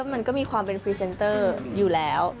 มันก็มีความเป็นพรีเซนเตอร์อยู่แล้ว